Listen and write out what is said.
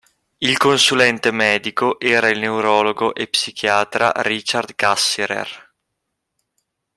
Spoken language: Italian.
Il consulente medico era il neurologo e psichiatra Richard Cassirer.